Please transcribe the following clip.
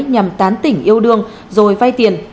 nhằm tán tỉnh yêu đương rồi vay tiền